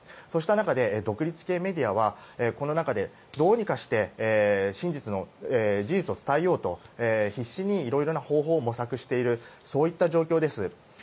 そうした中で、独立系メディアはこの中でどうにかして事実を伝えようと必死にいろいろな方法を模索しているそういった状況です。